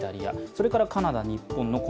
それからカナダ、日本。